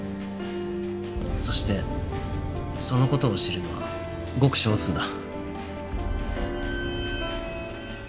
そしてその事を知るのはごく少数だ。